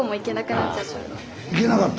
行けなかった？